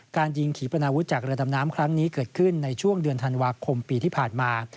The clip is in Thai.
การยิงขี่ปนาวุธจากเรือดำน้ำครั้งนี้เกิดขึ้นในช่วงเดือนธันวาคมปีที่ผ่านมา